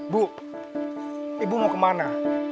bu ibu mau kemana